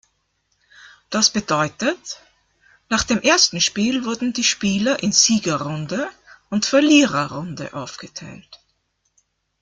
Das bedeutet: Nach dem ersten Spiel wurden die Spieler in Siegerrunde und Verliererrunde aufgeteilt.